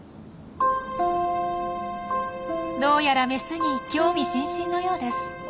どうやらメスに興味津々のようです。